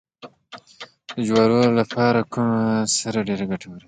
د جوارو لپاره کومه سره ډیره ګټوره ده؟